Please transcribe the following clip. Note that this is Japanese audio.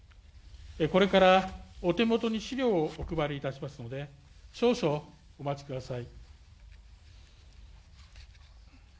これからお手元に資料をお配りいたしますので少々お待ちください。